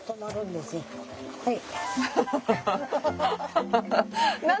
はい。